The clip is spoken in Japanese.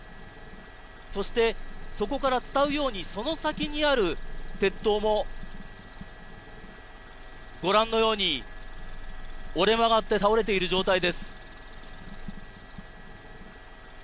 そして、そこから伝うようにその先にある鉄塔もご覧のように折れ曲がって倒れている状態です。